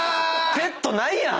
ペットないやん。